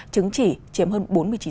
chứng chỉ chiếm hơn bốn mươi chín